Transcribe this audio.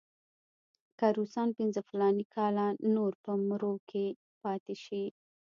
که روسان پنځه فلاني کاله نور په مرو کې پاتې شي.